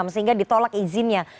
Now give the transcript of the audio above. sehingga ditolak izinnya